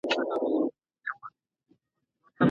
ولي هڅاند سړی د مخکښ سړي په پرتله بریا خپلوي؟